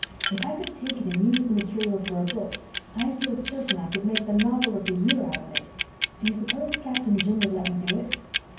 If I could take it and use the material for a book I feel certain I could make the novel of the year out of it. Do you suppose Captain Jim would let me do it?"